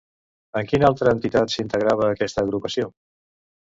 En quina altra entitat s'integrava, aquesta agrupació?